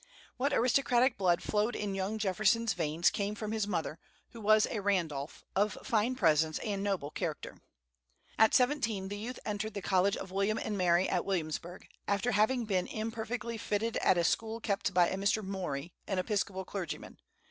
What aristocratic blood flowed in young Jefferson's veins came from his mother, who was a Randolph, of fine presence and noble character. At seventeen, the youth entered the College of William and Mary at Williamsburg, after having been imperfectly fitted at a school kept by a Mr. Maury, an Episcopal clergyman.